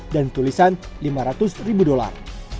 dan tulisan lima ratus ribu dolar